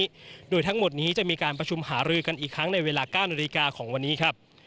วันนี้โดยทั้งหมดนี้จะมีการประชุมหารือกันอีกครั้งในเวลา๙นาฬิกาของวันนี้ครับ